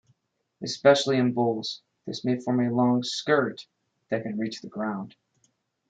Especially in bulls, this may form a long "skirt" that can reach the ground.